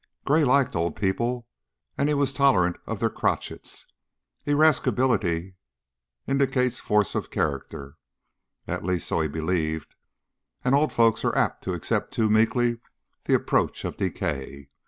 Gray liked old people, and he was tolerant of their crotchets. Irascibility indicates force of character, at least so he believed, and old folks are apt to accept too meekly the approach of decay.